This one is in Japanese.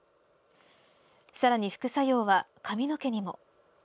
さらに副作用は髪の毛にも。